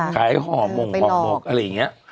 ขายห่อมงห่อมกอะไรอย่างนี้